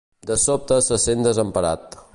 De sobte se sent desemparat.